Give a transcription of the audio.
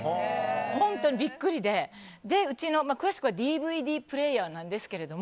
本当にビックリでうちの詳しくはＤＶＤプレーヤーなんですけど。